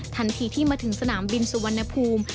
ทันทีที่มาถึงสนามบินสุวรรณภูมิ